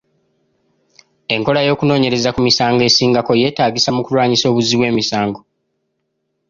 Enkola y'okunoonyereza ku misango esingako yeetaagisa mu kulwanyisa obuzzi bw'emisango.